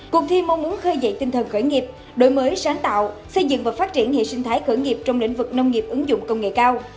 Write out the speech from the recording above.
cuộc thi mong muốn khơi dậy tinh thần khởi nghiệp đổi mới sáng tạo xây dựng và phát triển hệ sinh thái khởi nghiệp trong lĩnh vực nông nghiệp ứng dụng công nghệ cao